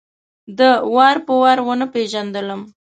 ده وار په وار ونه پېژندلم.